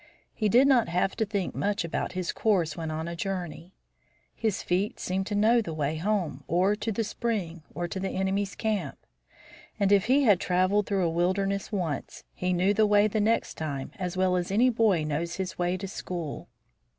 He did not have to think much about his course when on a journey. His feet seemed to know the way home, or to the spring, or to the enemy's camp. And if he had traveled through a wilderness once he knew the way the next time as well as any boy knows his way to school.